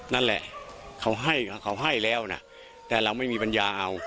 นั่นแหละเขาให้เขาให้แล้วนะแต่เราไม่มีปัญญาเอา